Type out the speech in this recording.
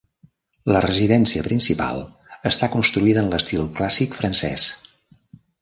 La residència principal està construïda en l'estil clàssic francès.